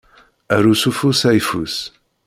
Aru s ufus ayeffus.